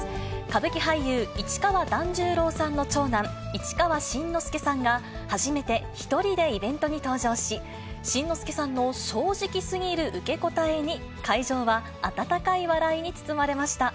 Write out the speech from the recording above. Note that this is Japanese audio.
歌舞伎俳優、市川團十郎さんの長男、市川新之助さんが、初めて１人でイベントに登場し、新之助さんの正直すぎる受け答えに、会場は温かい笑いに包まれました。